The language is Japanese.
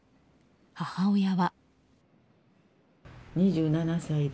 母親は。